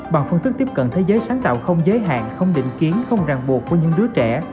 bằng phương thức tiếp cận thế giới sáng tạo không giới hạn không định kiến không ràng buộc của những đứa trẻ